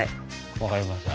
分かりました。